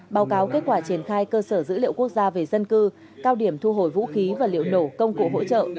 báo cáo kết quả triển khai cơ sở dữ liệu quốc gia về dân cư cao điểm thu hồi vũ khí và liệu nổ công cụ hỗ trợ